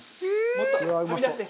もっとはみ出して！